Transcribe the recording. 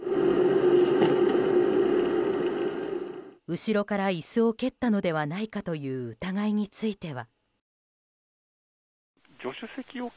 後ろから椅子を蹴ったのではないかという疑いについては。